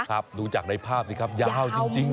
ครับรู้จักในภาพสิครับยาวจริงค่ะ